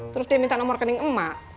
terus dia minta nomor rekening emak